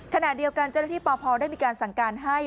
ขณะเดียวกันเจ้าหน้าที่ปพได้มีการสั่งการให้